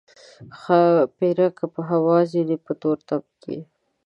ښاپیرک که په هوا ځي په تورتم کې.